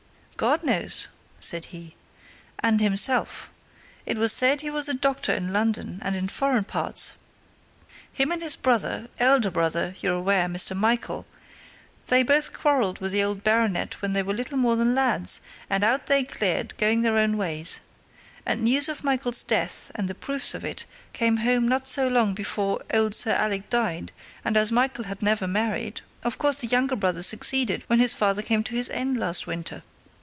"God knows!" said he. "And himself. It was said he was a doctor in London, and in foreign parts. Him and his brother elder brother, you're aware, Mr. Michael they both quarrelled with the old baronet when they were little more than lads, and out they cleared, going their own ways. And news of Michael's death, and the proofs of it, came home not so long before old Sir Alec died, and as Michael had never married, of course the younger brother succeeded when his father came to his end last winter.